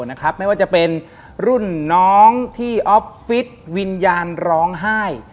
ไม่ว่าจะเป็นรุ่นน้องที่ออฟฟิศวิญญาณร้องไห้